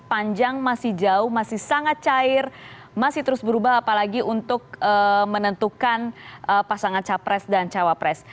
panjang masih jauh masih sangat cair masih terus berubah apalagi untuk menentukan pasangan capres dan cawapres